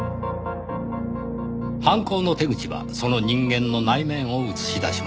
犯行の手口はその人間の内面を映し出します。